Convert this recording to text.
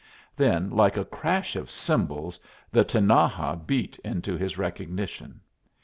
Then like a crash of cymbals the Tinaja beat into his recognition.